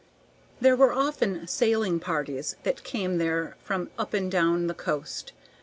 There were often sailing parties that came there from up and down the coast.